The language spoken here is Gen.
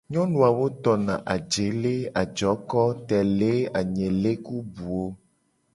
Nyonu awo tona : ajele, ajoko, tele, anyele ku buwo.